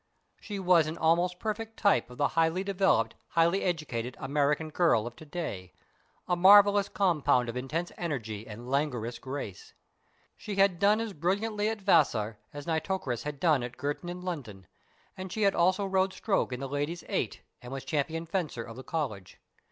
She was an almost perfect type of the highly developed, highly educated American girl of to day, a marvellous compound of intense energy and languorous grace. She had done as brilliantly at Vassar as Nitocris had done at Girton and London, and she had also rowed stroke in the Ladies' Eight, and was champion fencer of the College.